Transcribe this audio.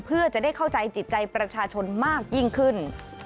เพื่อจะได้เข้าใจจิตใจประชาชนมากยิ่งขึ้น